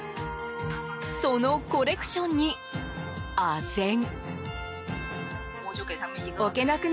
そのコレクションにあぜん！